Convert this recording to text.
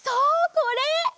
これ！